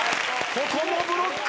ここもブロック！